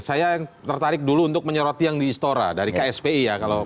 saya yang tertarik dulu untuk menyoroti yang di istora dari kspi ya